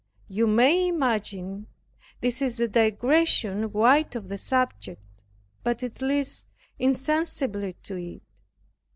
You may imagine this a digression wide of the subject, but it leads insensibly to it.